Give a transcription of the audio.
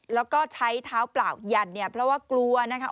แล้วก็ใช้เท้าเปล่ายันเนี่ยเพราะว่ากลัวนะคะ